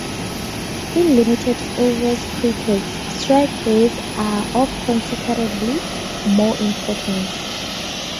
In limited overs cricket, strike rates are of considerably more importance.